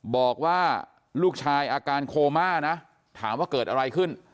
บอกว่าลูกชายอาการโคม่านะถามว่าเกิดอะไรขึ้น